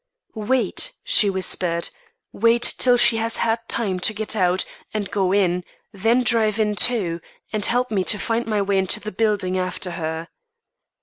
"Wait," she whispered. "Wait till she has had time to get out and go in; then drive in, too, and help me to find my way into the building after her."